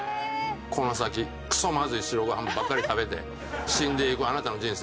この先クソまずい白ご飯ばっかり食べて死んでいくあなたの人生